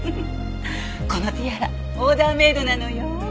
このティアラオーダーメイドなのよ。